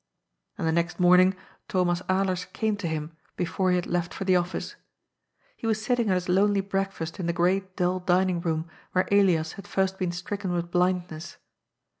And the next morning Thomas Alers came to him, be* fore he had left for the office. He was sitting at his lonely breakfast in the great dull dining room where Elias had first been stricken with blindness.